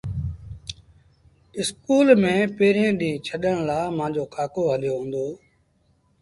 اسڪول ميݩ پيريٚݩ ڏيٚݩهݩ ڇڏڻ لآ مآݩجو ڪآڪو هليو هُݩدو۔